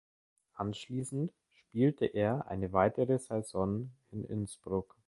Anschließend spielte er eine weitere Saison in Innsbruck.